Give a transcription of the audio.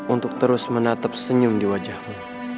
untuk terus menatap senyum di wajahmu